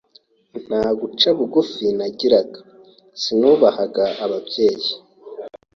Nta guca bugufi nagiraga, sinubahaga ababyeyi,